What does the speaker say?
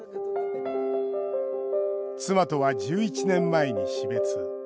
妻とは１１年前に死別。